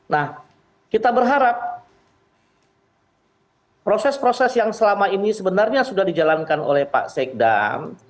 nah kita berharap proses proses yang selama ini sebenarnya sudah dijalankan oleh pak sekdam